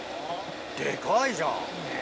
でかいじゃん。